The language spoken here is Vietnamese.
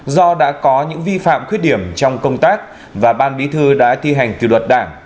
do đã có những vi phạm khuyết điểm trong công tác và ban bí thư đã thi hành kỷ luật đảng